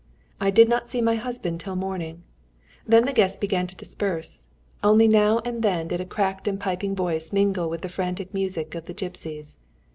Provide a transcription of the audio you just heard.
I did not see my husband till the morning. Then the guests began to disperse. Only now and then did a cracked and piping voice mingle with the frantic music of the gipsies.